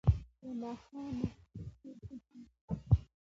له ماښامه، تر سهاره